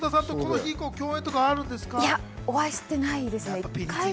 １回もお会いしてないですね。